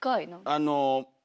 あの。